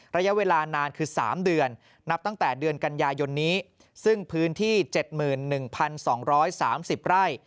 ระยะเวลานานคือ๓เดือนนับตั้งแต่เดือนกันยายนนี้ซึ่งพื้นที่๗๑๒๓๐ไร่